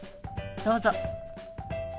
どうぞ。